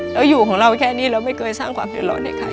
แล้วอยู่ของเราแค่นี้เราไม่เคยสร้างความเดือดร้อนให้ใคร